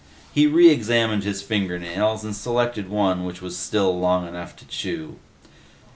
He re examined his fingernails and selected one which was still long enough to chew.